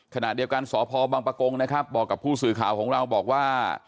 ขณะเดียวกันสพบังปะโกงนะครับบอกกับผู้สื่อข่าวของเราบอกว่า